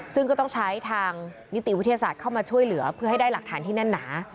ซึ่งก็ต้องใช้ทางนิติวิทยาศาสตร์เข้ามาช่วยเหลือเพื่อให้ได้หลักฐานที่แน่นหนา